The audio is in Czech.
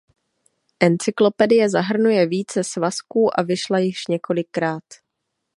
Encyklopedie zahrnuje více svazků a vyšla již několikrát.